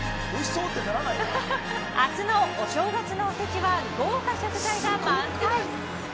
明日のお正月のおせちは豪華食材が満載。